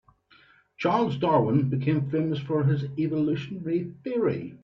Charles Darwin became famous for his evolutionary theory.